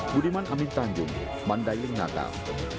budiman amin tanjung mandailing natal